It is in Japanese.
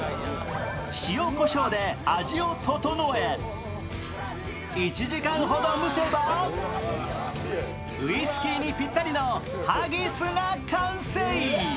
塩こしょうで味を整え、１時間ほど蒸せばウイスキーにぴったりのハギスが完成。